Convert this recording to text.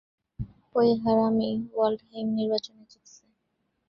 ওই হারামি ওয়াল্ডহেইম নির্বাচনে জিতেছে।